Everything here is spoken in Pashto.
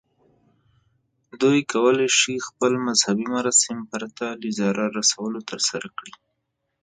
دوی کولی شي خپل مذهبي مراسم پرته له ضرر رسولو ترسره کړي.